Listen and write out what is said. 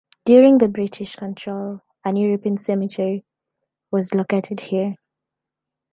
During the British control, an European cemetery was located here.